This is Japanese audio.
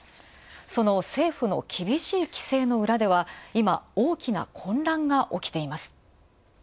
その政府の厳しい規制の裏では、いま大きな混乱がおきています。